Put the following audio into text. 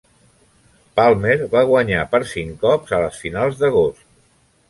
Palmer va guanyar per cinc cops a les finals d'agost.